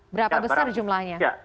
berapa besar jumlahnya